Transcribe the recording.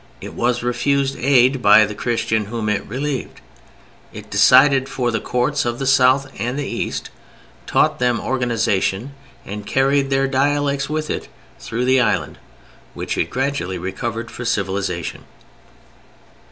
It was refused aid by the Christian whom it relieved. It decided for the courts of the South and East, taught them organization, and carried their dialects with it through the Island which it gradually recovered for civilization.